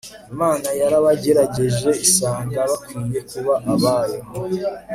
imana yarabagerageje isanga bakwiye kuba abayo